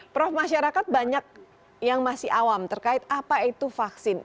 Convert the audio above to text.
prof masyarakat banyak yang masih awam terkait apa itu vaksin